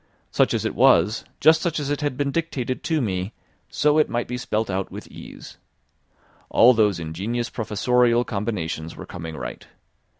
Such as it was, just such as it had been dictated to me, so it might be spelt out with ease. All those ingenious professorial combinations were coming right.